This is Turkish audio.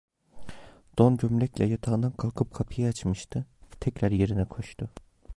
Don gömlekle yatağından kalkıp kapıyı açmıştı, tekrar yerine koştu.